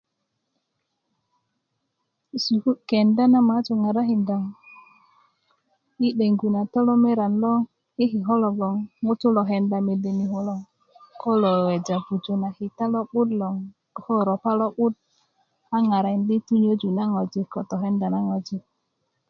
kenda na maatu ŋarakinda i teŋgu na tolomeran lo i kiko' logoŋ ŋutuu lo kenda mede ni kulo ko kulo weweja pujö na kita lo'but loŋ ko ropa lo'but a ŋarakindi tunyöyi na ŋojik ko ŋarakinda na ŋojik